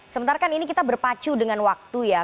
sebentar kan ini kita berpacu dengan waktu ya